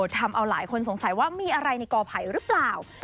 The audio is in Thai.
ทำเอาหลายคนสงสัยว่ามีอะไรในกอไผ่หรือเปล่า